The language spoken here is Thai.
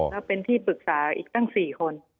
แล้วเป็นที่ปรึกษาอีกตั้ง๔คน